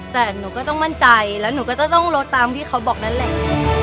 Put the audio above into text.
แต่หนูก็ต้องมั่นใจแล้วหนูก็จะต้องลดตามที่เขาบอกนั่นแหละ